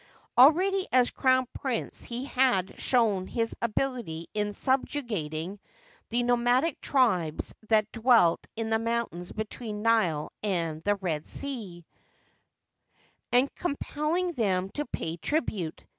Already as crown prince he had shown his ability in subjugating the nomadic tribes that dwelt in the mountains between the Nile and the Red Sea, and compelling them to pay tribute.